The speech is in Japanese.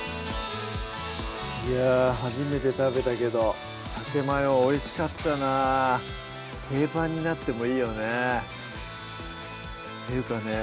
いやぁ初めて食べたけど「さけマヨ」おいしかったな定番になってもいいよねっていうかね